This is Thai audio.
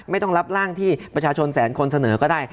ไม่ต้องรับร่างที่ประชาชนแสนคนเสนอก็ได้